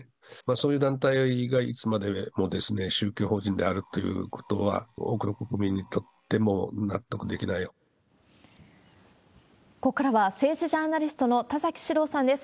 そういう団体がいつまでも宗教法人であるということは、多くの国ここからは政治ジャーナリストの田崎史郎さんです。